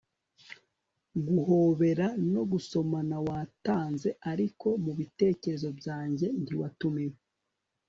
guhobera no gusomana watanze, ariko mubitekerezo byanjye ntiwatumiwe